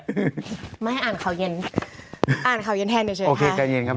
อ่านข่าวเย็นแทนเดียวเฉย